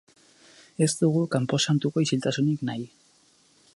Ez dugu kanposantuko isiltasunik nahi.